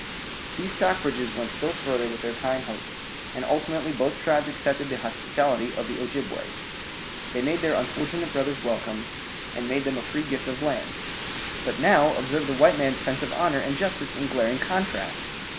These Stockbridges went still further with their kind hosts, and ultimately both tribes accepted the hospitality of the Ojibways. They made their unfortunate brothers welcome, and made them a free gift of land. But now observe the white man's sense of honor and justice in glaring contrast!